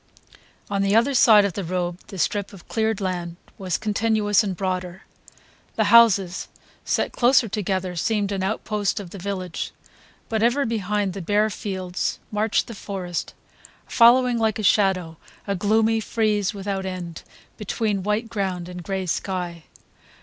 On the other side of the road the strip of cleared land was continuous and broader; the houses, set closer together, seemed an outpost of the village; but ever behind the bare fields marched the forest, following like a shadow, a gloomy frieze without end between white ground and gray sky.